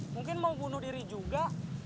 mungkin mau bunuh diri juga